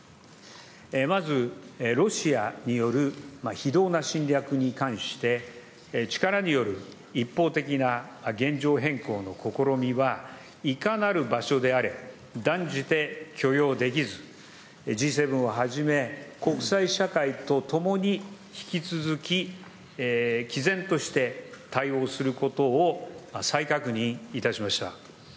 まず、ロシアによる非道な侵略に関して、力による一方的な現状変更の試みは、いかなる場所であれ、断じて許容できず、Ｇ７をはじめ、国際社会と共に、引き続ききぜんとして対応することを再確認いたしました。